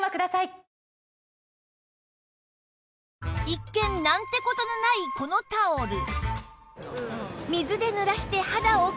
一見なんて事のないこのタオル